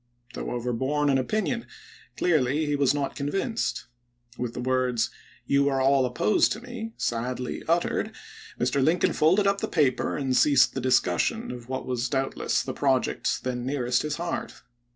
Though overborne in opinion, clearly he was not convinced. With the words, " You are all opposed to me," sadly uttered, Mr. Lincoln folded up the paper and ceased the discussion of what was doubtless the project then nearest his heart.